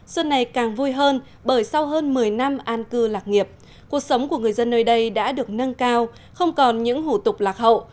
xuân này càng vui hơn bởi sau hơn một mươi năm an cư lạc nghiệp cuộc sống của người dân nơi đây đã được nâng cao không còn những hủ tục lạc hậu